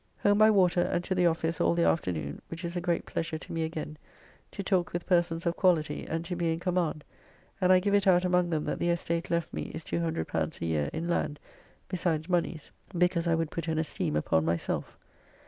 Home by water and to the office all the afternoon, which is a great pleasure to me again, to talk with persons of quality and to be in command, and I give it out among them that the estate left me is L200 a year in land, besides moneys, because I would put an esteem upon myself.